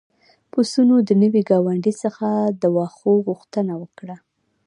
پسونو د نوي ګاونډي څخه د واښو غوښتنه وکړه.